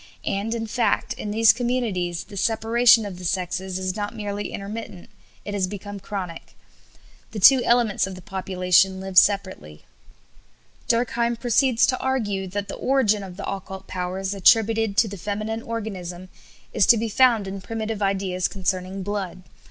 And, in fact, in these communities, the separation of the sexes is not merely intermittent; it has become chronic. The two elements of the population live separately." Durkheim proceeds to argue that the origin of the occult powers attributed to the feminine organism is to be found in primitive ideas concerning blood.